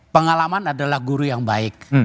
pengalaman adalah guru yang baik